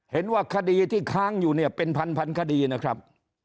เห็นว่าคดีที่ค้างอยู่เนี่ยเป็นพันคดีนะครับ